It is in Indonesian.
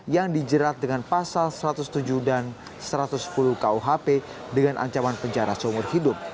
yang dijerat dengan pasal satu ratus tujuh dan satu ratus sepuluh kuhp dengan ancaman penjara seumur hidup